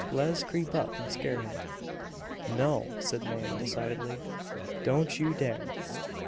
Le's creep up and scare him." "No," said Nan, decidedly; "don't you dare!"